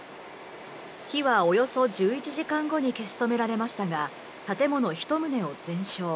火はおよそ１１時間後に消し止められましたが、建物１棟を全焼。